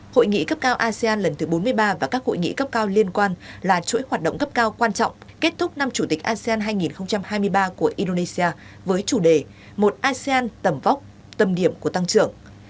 hội nghị cấp cao asean lần thứ bốn mươi ba và các hội nghị cấp cao liên quan là chuỗi hoạt động cấp cao quan trọng kết thúc năm chủ tịch asean hai nghìn hai mươi ba của indonesia với chủ đề một asean tầm vóc tầm điểm của tăng trưởng